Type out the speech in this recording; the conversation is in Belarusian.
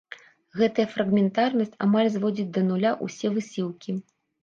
Гэтая фрагментарнасць амаль зводзіць да нуля ўсе высілкі.